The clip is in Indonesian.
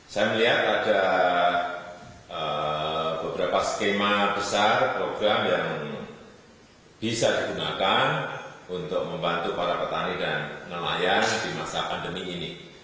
saya melihat ada beberapa skema besar program yang bisa digunakan untuk membantu para petani dan nelayan di masa pandemi ini